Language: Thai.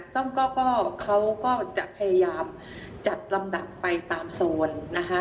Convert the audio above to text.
ซึ่งก็เขาก็จะพยายามจัดลำดับไปตามโซนนะคะ